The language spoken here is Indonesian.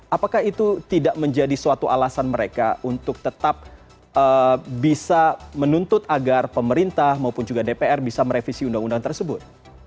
apakah itu tidak menjadi suatu alasan mereka untuk tetap bisa menuntut agar pemerintah maupun juga dpr bisa merevisi undang undang tersebut